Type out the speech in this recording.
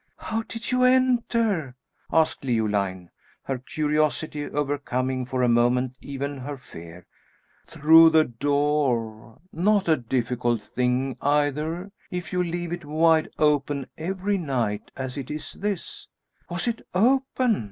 "How did you enter?" asked Leoline, her curiosity overcoming for a moment even her fear. "Through the door. Not a difficult thing, either, if you leave it wide open every night, as it is this." "Was it open?"